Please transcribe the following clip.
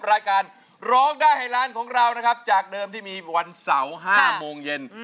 รายการร้องได้ให้ร้านของเรานะครับจากเดิมที่มีวันเสาร์๕โมงเย็น